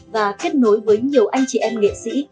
và kết nối với nhiều anh chị em nghệ sĩ